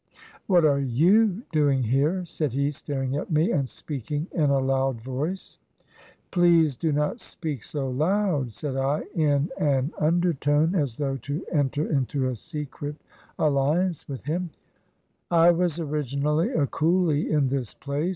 " "What are you doing here?" said he, staring at me and speaking in a loud voice. 245 CHINA "Please do not speak so loud," said I in an undertone, as though to enter into a secret alliance with him; "I was originally a coolie in this place.